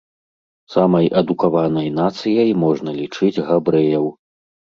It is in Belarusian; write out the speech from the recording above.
Самай адукаванай нацыяй можна лічыць габрэяў.